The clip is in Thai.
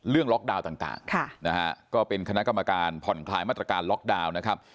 ล็อกดาวน์ต่างนะฮะก็เป็นคณะกรรมการผ่อนคลายมาตรการล็อกดาวน์นะครับ